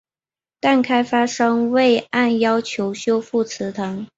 但开发商未按要求修复祠堂。